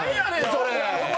それ！